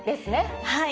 はい。